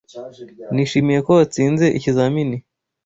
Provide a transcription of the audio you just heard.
Nishimiye ko watsinze ikizamini.